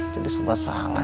jadi semua salah